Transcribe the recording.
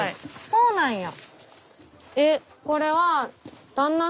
そうなんや。